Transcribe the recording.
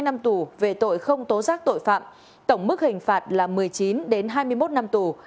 hai năm tù về tội không tố giác tội phạm tổng mức hình phạt là một mươi chín hai mươi một năm tù